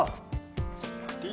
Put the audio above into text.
つまり。